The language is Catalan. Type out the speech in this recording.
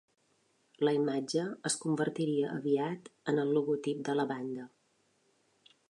La imatge es convertiria aviat en el logotip de la banda.